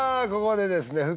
ここでですね